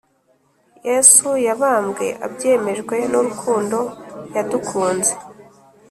Yesu yabambwe abyemejwe nurukundo yadukunze